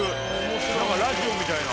なんかラジオみたいな。